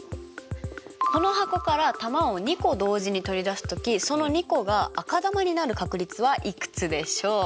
この箱から球を２個同時に取り出す時その２個が赤球になる確率はいくつでしょう？